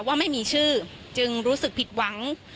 ว่าไม่มีชื่อจึงรู้สึกผิดหวัง